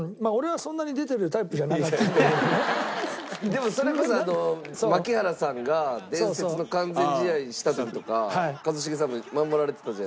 でもそれこそ槙原さんが伝説の完全試合した時とか一茂さんも守られてたじゃないですか。